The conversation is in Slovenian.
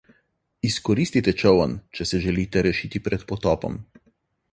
Izkoristite čoln, če se želite rešiti pred potopom.